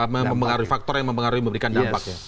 mempengaruhi faktor yang mempengaruhi memberikan dampak ya